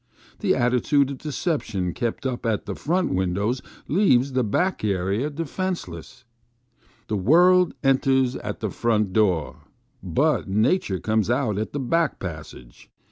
The attitude of deception kept up at the front windows leaves the back area 232 FROM A BACK WINDOW. defenceless. The world enters at the front door, but nature comes out at the back passage.